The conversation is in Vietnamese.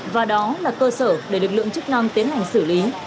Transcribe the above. và đó là cơ sở để lực lượng chức năng tiến hành xử lý